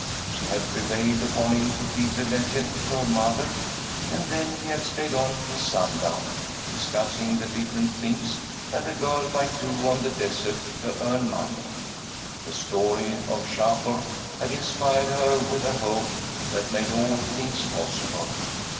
She had prevailed upon him to read the legend to her mother, and then he had stayed on till sundown, discussing the different things that a girl might do on the desert to earn money. The story of Shapur had inspired her with a hope that made all things possible.